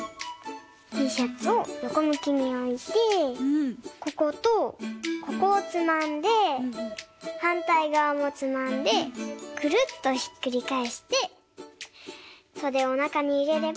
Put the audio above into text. ティーシャツをよこむきにおいてこことここをつまんではんたいがわもつまんでくるっとひっくりかえしてそでをなかにいれればかんせい！